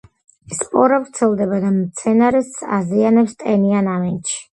სპორა ვრცელდება და მცენარეს აზიანებს ტენიან ამინდში.